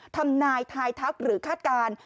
ทำนายทายทักหรือคาดการณ์